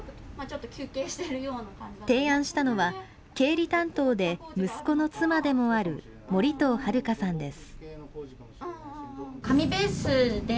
提案したのは経理担当で息子の妻でもある森藤春香さんです。